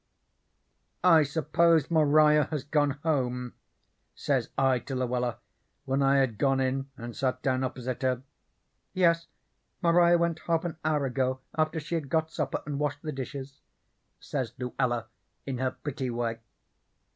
"'I s'pose Maria has gone home,' says I to Luella, when I had gone in and sat down opposite her. "'Yes, Maria went half an hour ago, after she had got supper and washed the dishes,' says Luella, in her pretty way.